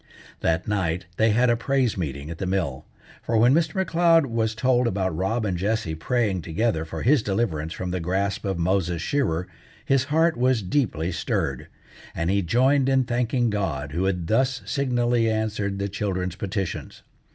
That night they had a praise meeting at the mill; for when Mr. M'Leod was told about Rob and Jessie praying together for his deliverance from the grasp of Moses Shearer his heart was deeply stirred, and he joined in thanking God who had thus signally answered the children's petitions.